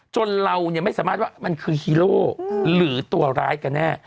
จนเราไม่สามารถว่ามันคือฮีโร่หรือตัวร้ายกันแน่